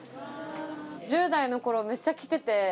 １０代の頃めっちゃ来てて。